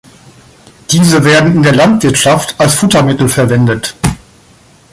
Diese werden in der Landwirtschaft als Futtermittel verwendet.